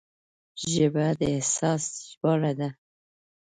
ژبه د احساس ژباړه ده